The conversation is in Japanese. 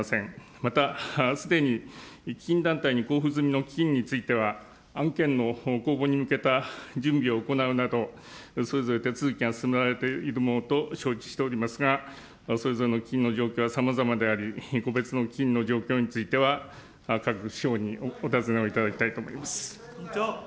またすでに基金団体に交付済みの基金については、案件の公募に向けた準備を行うなど、それぞれ手続きが進められているものと承知しておりますが、それぞれの基金の状況はさまざまであり、個別の基金の状況については、各省にお尋ねをいただきたいと思います。